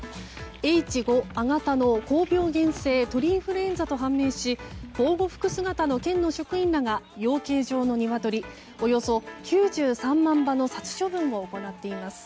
Ｈ５亜型の高病原性鳥インフルエンザと判明し防護服姿の県の職員らが養鶏場のニワトリおよそ９３万羽の殺処分を行っています。